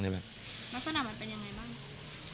ลักษณะมันเป็นอย่างไรบ้าง